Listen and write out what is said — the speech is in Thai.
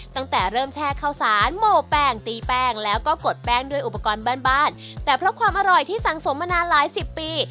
ตั้งแต่เริ่มแช่ข้าวสารโมแป้งตีแป้งแล้วก็กดแป้งด้วยอุปกรณ์บ้านบ้านแต่เพราะความอร่อยที่สังสมมานานหลายสิบปี